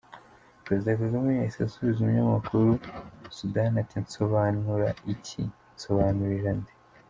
Perezida Kagame yahise asubiza Umunyamakuru Soudan ati “ Nsobanura iki? Nsobanurira nde?”.